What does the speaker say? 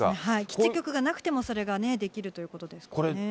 基地局がなくても、それがね、できるということですからね。